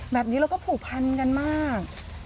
แบบนี้เราก็ผูกพันกันมาก